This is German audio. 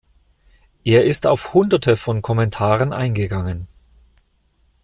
Er ist auf Hunderte von Kommentaren eingegangen.